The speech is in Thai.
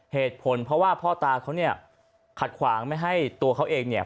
เหตุผลเพราะว่าพ่อตาเขาเนี่ยขัดขวางไม่ให้ตัวเขาเองเนี่ย